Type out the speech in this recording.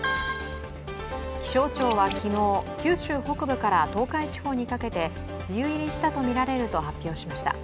気象庁は昨日、九州北部から東海地方にかけて梅雨入りしたとみられると発表しました。